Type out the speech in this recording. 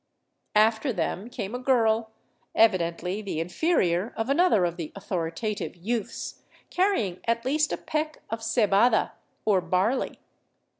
After them came a girl, evidently the inferior of another of the authoritative youths, carrying 350 OVERLAND TOWARD CUZCO at least a peck of cehada, or barley.